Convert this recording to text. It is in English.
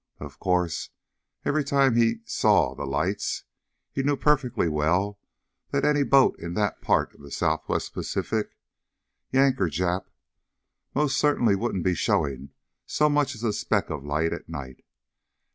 Of course, every time he "saw" the lights he knew perfectly well that any boat in that part of the Southwest Pacific, Yank or Jap, most certainly wouldn't be showing so much as a speck of light at night.